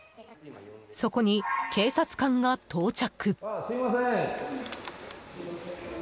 そこに警察官が到着。